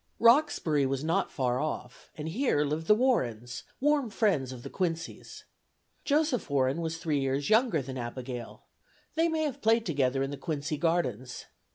Roxbury was not far off, and here lived the Warrens, warm friends of the Quincys. Joseph Warren was three years younger than Abigail; they may have played together in the Quincy gardens.